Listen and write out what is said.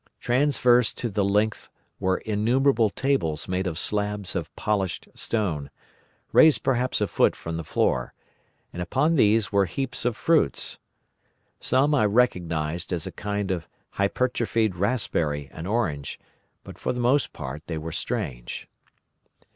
Transverse to the length were innumerable tables made of slabs of polished stone, raised, perhaps, a foot from the floor, and upon these were heaps of fruits. Some I recognised as a kind of hypertrophied raspberry and orange, but for the most part they were strange.